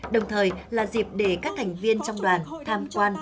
đồng thời là dịp để các thành viên trong đoàn tham quan